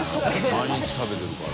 毎日食べてるから。